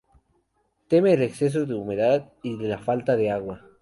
Teme el exceso de humedad y la falta de agua.